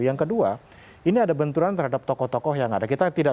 yang kedua ini ada benturan terhadap tokoh tokoh yang ada